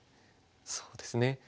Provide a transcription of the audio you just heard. そうですね。